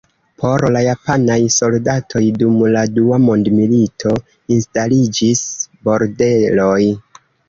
Por la japanaj soldatoj dum la dua mondmilito instaliĝis bordeloj.